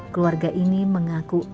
keluarga ini mengaku amat jarang